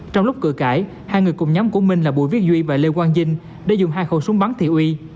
trong lúc cửa cãi hai người cùng nhóm của minh là bùi viết duy và lê quang dinh để dùng hai khẩu súng bắn thiệu uy